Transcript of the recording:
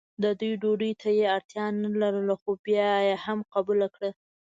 د دوی ډوډۍ ته یې اړتیا نه لرله خو بیا یې هم قبوله کړه.